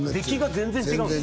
全然違う